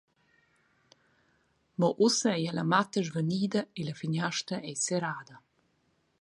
Mo ussa ei era la matta svanida e la finiastra ei serrada.